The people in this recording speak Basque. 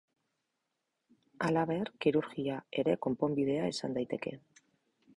Halaber, kirurgia ere konponbidea izan daiteke.